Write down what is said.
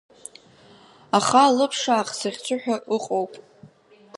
Аха алыԥшаах захьӡу ҳәа ыҟоуп.